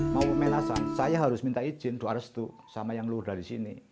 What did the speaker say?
mau menasan saya harus minta izin doa restu sama yang lu dari sini